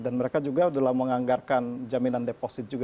dan mereka juga sudah menganggarkan jaminan deposit juga